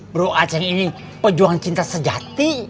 bro aceh ini pejuang cinta sejati